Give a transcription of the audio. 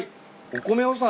お米をさ